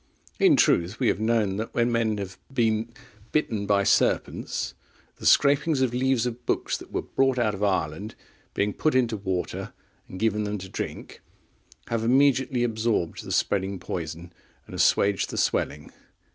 In truth, we have known that when men have been bitten by serpents, the scrapings of leaves of books that were brought out of Ireland, being put into water, and given them to drink, have immediately absorbed the spreading poison, and assuaged the swelling.